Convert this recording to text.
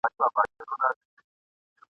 دومره لوړ اسمان ته څوک نه وه ختلي !.